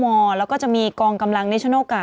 มีสารตั้งต้นเนี่ยคือยาเคเนี่ยใช่ไหมคะ